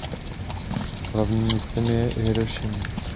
Hlavním městem je Hirošima.